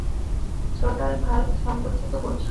Throttle valve সংযোগচ্যূত করছি।